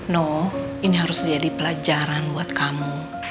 no ini harus jadi pelajaran buat kamu